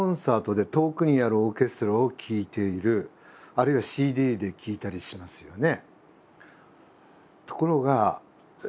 あるいはＣＤで聴いたりしますよね。